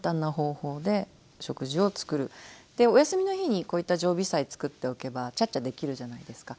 お休みの日にこういった常備菜作っておけばちゃっちゃできるじゃないですか。